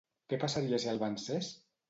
Què passaria si el vencés?